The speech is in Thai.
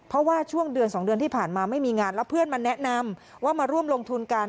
เพราะว่าช่วงเดือน๒เดือนที่ผ่านมาไม่มีงานแล้วเพื่อนมาแนะนำว่ามาร่วมลงทุนกัน